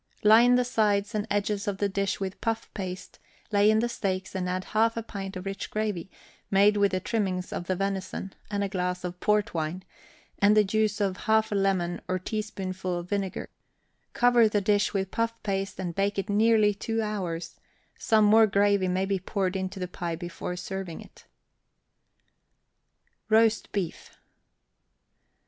Line the sides and edges of a dish with puff paste, lay in the steaks, and add half a pint of rich gravy, made with the trimmings of the venison; add a glass of port wine, and the juice of half a lemon or teaspoonful of vinegar; cover the dish with puff paste, and bake it nearly two hours; some more gravy may be poured into the pie before serving it. ROAST BEEF.